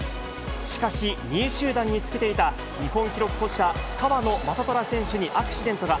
しかし、２位集団につけていた日本記録保持者、川野将虎選手にアクシデントが。